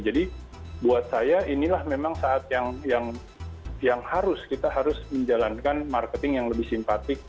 jadi buat saya inilah memang saat yang harus kita harus menjalankan marketing yang lebih simpatik